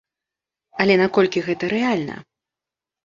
Але наколькі гэта рэальна?